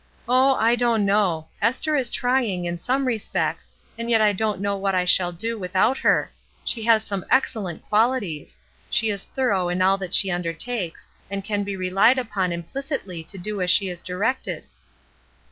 ''Oh, I don't know. Esther is trying, in some respects, and yet I don't know what I shall do without her. She has some excellent qualities; she is thorough in all that she undertakes and can be relied upon implicitly to do as she is directed."